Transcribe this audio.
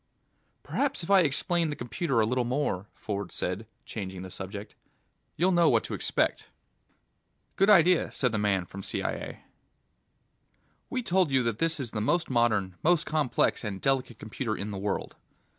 "Perhaps if I explain the computer a little more," Ford said, changing the subject, "you'll know what to expect." "Good idea," said the man from CIA. "We told you that this is the most modern, most complex and delicate computer in the world